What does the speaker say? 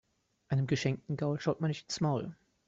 Einem geschenkten Gaul schaut man nicht ins Maul.